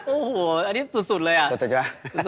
โอ้โหอันนี้สุดเลยอ่ะ